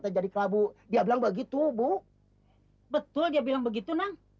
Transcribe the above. terjadi kelabu dia bilang begitu bu betul dia bilang begitu